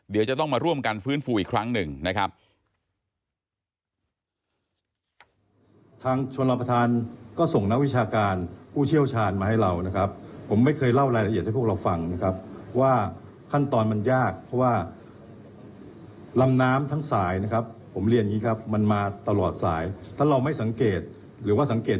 เดี๋ยวจะต้องมาร่วมกันฟื้นฟูอีกครั้งหนึ่งนะครับ